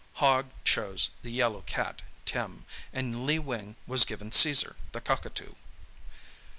Hogg chose the yellow cat, Tim, and Lee Wing was given Caesar, the cockatoo.